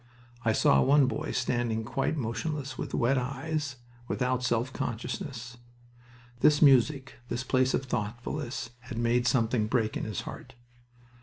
I saw one boy standing quite motionless, with wet eyes, without self consciousness. This music, this place of thoughtfulness, had made something break in his heart...